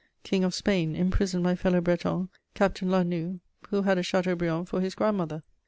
King of Spain imprisoned my fellow Breton, Captain La Noue, who had a Chateaubriand for his grand mother?